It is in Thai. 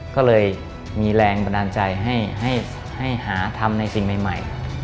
ก็เลยมีแรงบันดาลใจให้หาทำในสิ่งใหม่